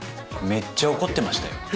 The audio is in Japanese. めっちゃ怒ってましたよ。